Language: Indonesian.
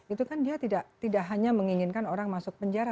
itu kan dia tidak hanya menginginkan orang masuk penjara